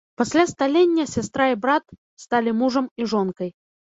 Пасля сталення сястра і брат сталі мужам і жонкай.